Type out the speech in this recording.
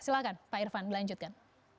silahkan pak irfan melanjutkan